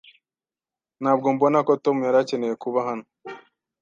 Ntabwo mbona ko Tom yari akeneye kuba hano.